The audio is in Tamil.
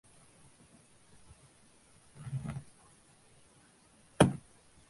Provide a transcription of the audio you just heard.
ஆறு நீந்தினவனுக்கு வாய்க்கால் எவ்வளவு?